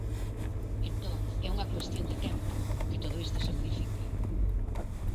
Entón, é unha cuestión de tempo que todo isto se modifique.